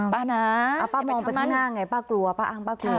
ป้านะป้ามองไปที่หน้าไงป้ากลัวป้าอ้างป้ากลัว